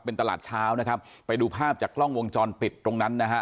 เป็นตลาดเช้านะครับไปดูภาพจากกล้องวงจรปิดตรงนั้นนะฮะ